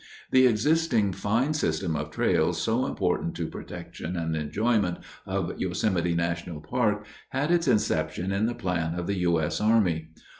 The existing fine system of trails so important to protection and enjoyment of Yosemite National Park had its inception in the plan of the U. S. Army.